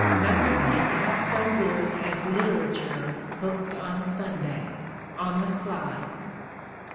Nothing is half so good as literature hooked on Sunday, on the sly."